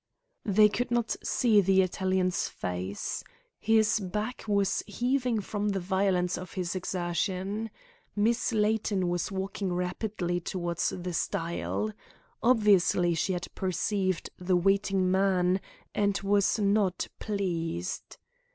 They could not see the Italian's face. His back was heaving from the violence of his exertion. Miss Layton was walking rapidly towards the stile. Obviously she had perceived the waiting man, and she was not pleased.